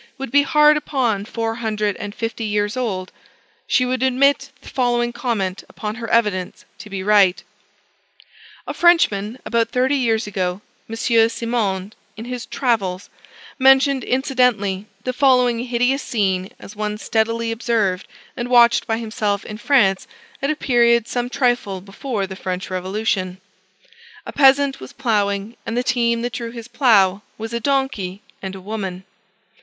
would be hard upon four hundred and fifty years old she would admit the following comment upon her evidence to be right. A Frenchman, about thirty years ago, M. Simond, in his Travels, mentioned incidentally the following hideous scene as one steadily observed and watched by himself in France at a period some trifle before the French Revolution: A peasant was ploughing; and the team that drew his plough was a donkey and a woman.